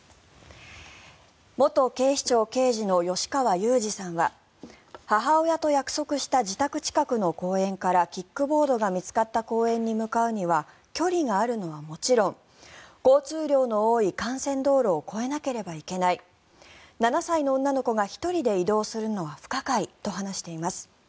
元警視庁刑事の吉川祐二さんは母親と約束した自宅近くの公園からキックボードが見つかった公園に向かうには距離があるのはもちろん交通量の多い幹線道路を越えなければいけない７歳の女の子が１人で移動するのは不可解と話しています。